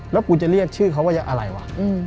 แล้วกูจะเรียกชื่อเขาว่าอะไรวะ